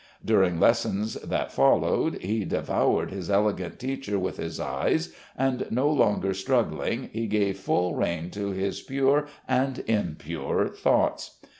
During lessons that followed he devoured his elegant teacher with his eyes, and no longer struggling, he gave full rein to his pure and impure thoughts.